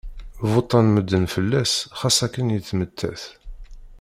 Vuṭṭan medden fell-as xas akken yettmettat.